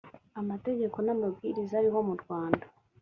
amategeko n’amabwiriza ariho mu rwanda